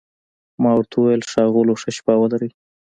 ما ورته وویل: ښاغلو، ښه شپه ولرئ.